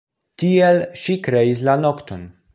Tiel ŝi kreis la nokton.